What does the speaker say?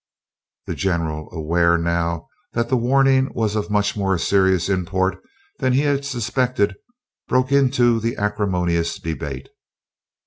The general, aware now that the warning was of much more serious import than he had suspected, broke into the acrimonious debate.